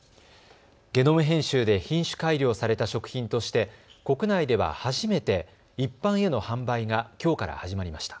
ゲノム編集で品種改良された食品として国内では初めて一般への販売がきょうから始まりました。